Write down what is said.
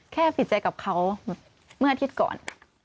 ผิดใจกับเขาเมื่ออาทิตย์ก่อน